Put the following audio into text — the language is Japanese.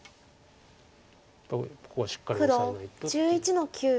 ここはしっかりオサえないとっていう。